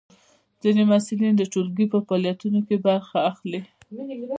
ځینې محصلین د ټولګي په فعالیتونو کې برخه اخلي.